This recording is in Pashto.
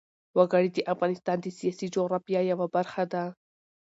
وګړي د افغانستان د سیاسي جغرافیه یوه برخه ده.